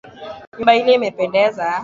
Nyumba ile imependeza